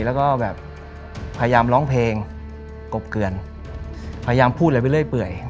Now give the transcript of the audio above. แล้วก็แบบพยายามร้องเพลงกบเกือนพยายามพูดอะไรไปเรื่อย